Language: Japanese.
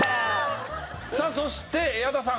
さあそして矢田さん。